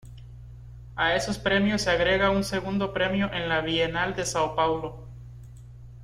A esos premios se agrega un segundo premio en la Bienal de Sao Paulo.